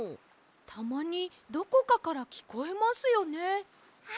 たまにどこかからきこえますよね。